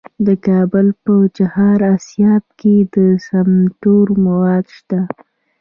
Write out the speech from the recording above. د کابل په چهار اسیاب کې د سمنټو مواد شته.